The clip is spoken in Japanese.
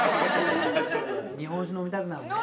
日本酒飲みたくなるね。